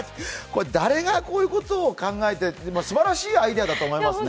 誰がこういうことを考えてすばらしいアイデアだと思いますね。